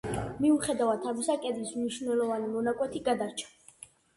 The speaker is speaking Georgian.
მიუხედავად ამისა კედლის მნიშვნელოვანი მონაკვეთი გადარჩა.